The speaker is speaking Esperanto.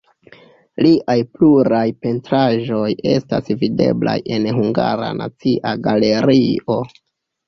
Liaj pluraj pentraĵoj estas videblaj en Hungara Nacia Galerio.